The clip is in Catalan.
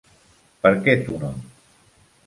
¿Per què tu no?